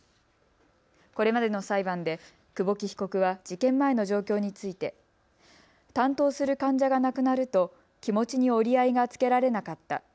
これまでの裁判で久保木被告は事件前の状況について担当する患者が亡くなると気持ちに折り合いがつけられなかった。